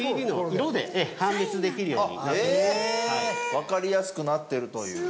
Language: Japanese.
わかりやすくなってるという。